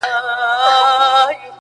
چي په کلي کي غوايي سره په جنګ سي-